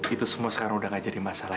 itu semua sekarang udah gak jadi masalah